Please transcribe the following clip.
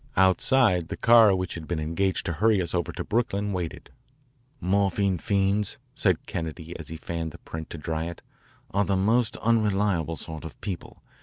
Outside, the car which had been engaged to hurry us over to Brooklyn waited. "Morphine fiends," said Kennedy as he fanned the print to dry it, " are the most unreliable sort of people.